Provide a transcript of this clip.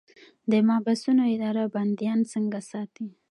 د محبسونو اداره بندیان څنګه ساتي؟